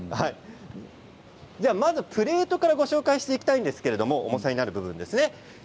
プレートからご紹介していきたいんですけれど重さになる部分です。